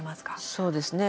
そうですね。